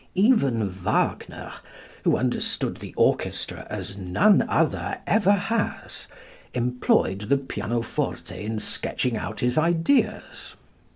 Even Wagner, who understood the orchestra as none other ever has, employed the pianoforte in sketching out his ideas.